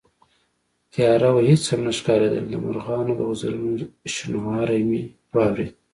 تياره وه، هېڅ هم نه ښکارېدل، د مرغانو د وزرونو شڼهاری مې واورېد